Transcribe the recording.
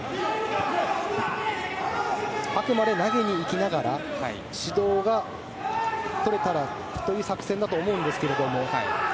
あくまで投げにいきながら指導がとれたらという作戦だと思うんですけど。